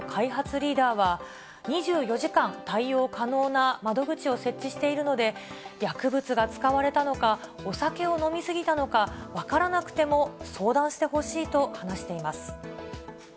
リーダーは、２４時間対応可能な窓口を設置しているので、薬物が使われたのか、お酒を飲み過ぎたのか分からなくても相談してほしいと話しています。